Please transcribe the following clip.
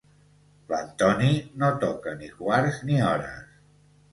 L'Antoni no toca ni quarts ni hores.